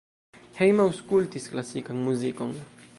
Hejme aŭskultis klasikan muzikon.